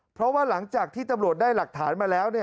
เพราะว่าหลังจากที่ตำรวจได้หลักฐานมาแล้ว